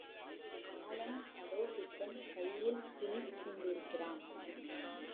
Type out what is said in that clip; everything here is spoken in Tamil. காலன் கடோரசித்தன் கையில் பிணிப்புண்டிருக்கிறான்.